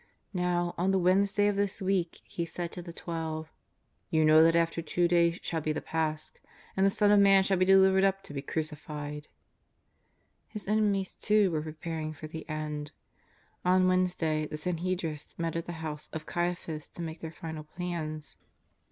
Xow, on the Wednesday of this week, He said to the Twelve :'' You know that after two days shall be the Pasch, and the Son of Man shall be delivered up to be cruci fied/' His enemies, too, were preparing for the end. On Wednesday the Sanhedrists met at the house of Caia phas to make their final plans.